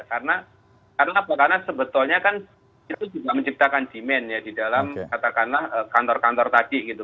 karena karena sebetulnya kan itu juga menciptakan demand ya di dalam katakanlah kantor kantor tadi gitu